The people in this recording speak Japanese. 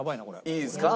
いいですか？